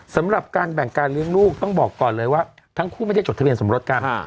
สำหรับการแบ่งการเลี้ยงลูกต้องบอกก่อนเลยว่าทั้งคู่ไม่ได้จดทะเบียนสมรสกัน